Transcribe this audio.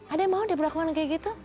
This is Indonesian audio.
ada yang mau dia berlakuan kayak gitu